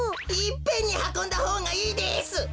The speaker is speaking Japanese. いっぺんにはこんだほうがいいです！